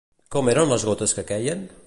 Com eren les gotes que queien?